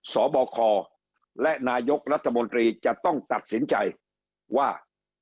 สบคและนายกรัฐมนตรีจะต้องตัดสินใจว่า